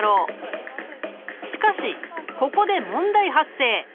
しかしここで問題発生！